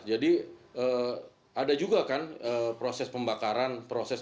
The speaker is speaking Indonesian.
jadi ada juga kan proses pembakaran proses peletupan